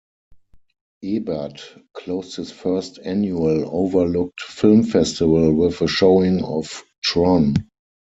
Ebert closed his first annual Overlooked Film Festival with a showing of "Tron".